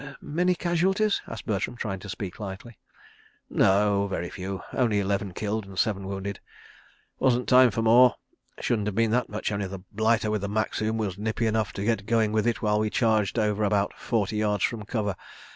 ..." "Many casualties?" asked Bertram, trying to speak lightly. "No—very few. Only eleven killed and seven wounded. Wasn't time for more. Shouldn't have had that much, only the blighter with the Maxim was nippy enough to get going with it while we charged over about forty yards from cover.